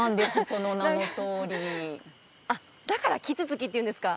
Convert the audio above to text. その名のとおりあっだからキツツキっていうんですか？